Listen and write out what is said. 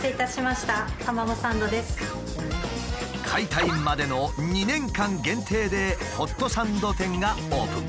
解体までの２年間限定でホットサンド店がオープン。